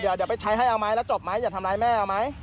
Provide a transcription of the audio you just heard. เดี๋ยวไปใช้ให้เอาไหมแล้วจบไหมอย่าทำร้ายแม่เอาไหม